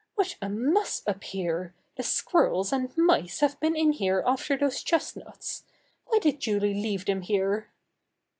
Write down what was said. "What a muss up here! The squirrels and mice have been in here after those chestnuts. Why did Julie leave them here?"